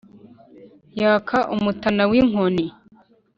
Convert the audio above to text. yaka umutana w’ inkoni